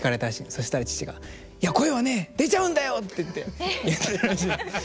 そしたら父が「いや声はね出ちゃうんだよ！」っていって言ったらしいんです。